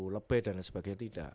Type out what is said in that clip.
lebay dan sebagainya